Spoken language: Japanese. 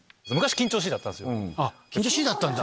緊張しいだったんだ。